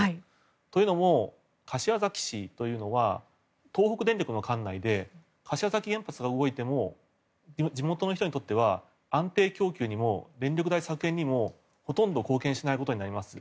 というのも、柏崎市というのは東北電力の管内で柏崎原発が動いても地元の人にとっては安定供給にも電気代削減にもほとんど貢献しないことになります。